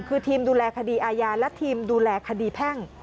คือทีมดูแลคดีอาญาและทีมดูแลคดีแพ่ง